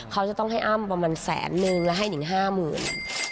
เขาจะต้องให้อ้ำประมาณแสนนึงแล้วให้นิงห้าหมื่น